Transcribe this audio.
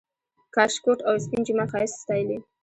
د کاشکوټ او سپین جومات ښایست ستایلی